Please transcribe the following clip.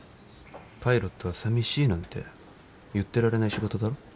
パイロットはさみしいなんて言ってられない仕事だろ。